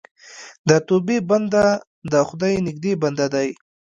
د توبې بنده د خدای نږدې بنده دی.